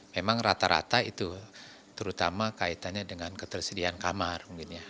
memang rata rata itu terutama kaitannya dengan ketersediaan kamar